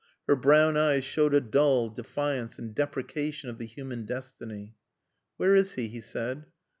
Her brown eyes showed a dull defiance and deprecation of the human destiny. "Where is he?" he said.